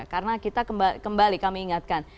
karena kita kembali kami ingatkan